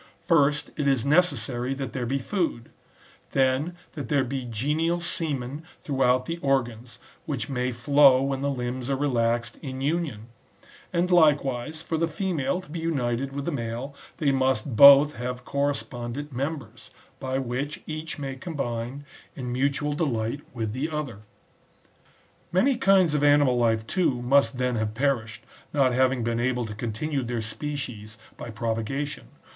First it is necessary that ^ there be food ; then that there be genial semen throughout the organs, which may flow when the limbs are relaxed in union; and likewise, for the female to be united with the male, they must both have correspondent members, by which each may combine in mutual delight with the other. Many kinds of animal life, too, must then have perished, not having been able to continue their species by propagation.